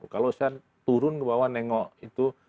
kalau saya turun ke bawah nengok itu